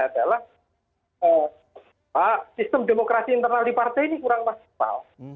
kemudian efek negatifnya adalah sistem demokrasi internal di partai ini kurang maksimal